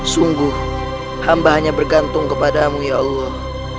sungguh hamba hanya bergantung kepadamu ya allah